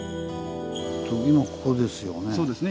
今ここですよね。